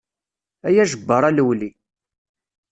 Ay ajebbar a lewli.